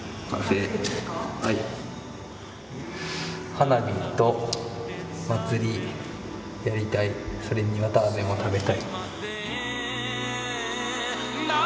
「花火と祭りやりたいそれに綿あめも食べたい」。